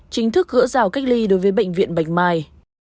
chính thức gỡ rào cách ly đối với bệnh viện bạch mai